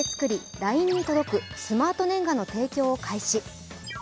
ＬＩＮＥに届くスマートねんがの提供を開始。